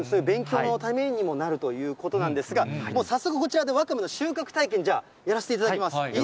勉強のためにもなるということなんですがもう早速こちら、ワカメの収穫体験、じゃあ、やらせていただきます。